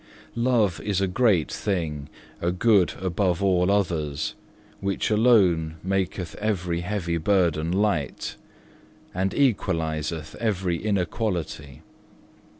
3. Love is a great thing, a good above all others, which alone maketh every heavy burden light, and equaliseth every inequality.